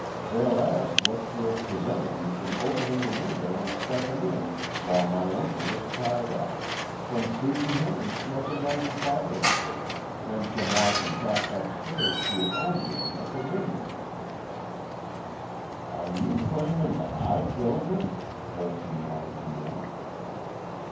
"They'll ask what's to have prevented you from openin' the window an' steppin' in while my uncle was tied up, from shootin' him an' slippin' down the fire escape, an' from walkin' back upstairs to your own room at the Wyndham." "Are you claimin' that I killed him?" Olson wanted to know.